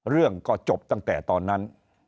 เรื่องก็จบตั้งแต่ตอนนั้น